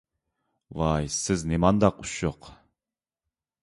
ۋاي سىز نېمانداق ئۇششۇق!